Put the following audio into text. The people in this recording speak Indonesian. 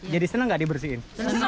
jadi senang nggak dibersihin